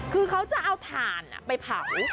คือเขาจะเอาถ่านไปเผา